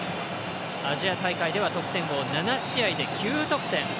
アジア大会では得点王７試合で９得点。